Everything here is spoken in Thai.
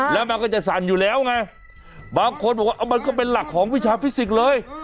แล้วมันก็จะสั่นอยู่แล้วไงบางคนบอกว่ามันก็เป็นหลักของวิชาฟิสิกส์เลย